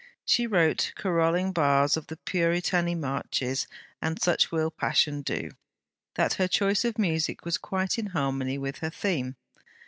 She wrote, carolling bars of the Puritani marches; and such will passion do, that her choice of music was quite in harmony with her theme.